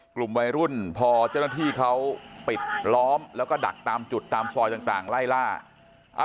กลุ่มวัยรุ่นพอเจ้าหน้าที่เขาปิดล้อมแล้วก็ดักตามจุดตามซอยต่างไล่ล่า